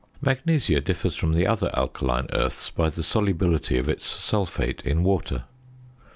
Magnesia differs from the other alkaline earths by the solubility of its sulphate in water.